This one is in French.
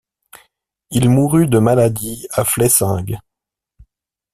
Il mourut de maladie à Flessingue.